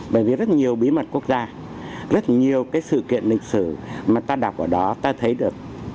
bởi vì rất nhiều bí mật quốc gia rất nhiều cái sự kiện lịch sử mà ta đọc ở đó ta thấy được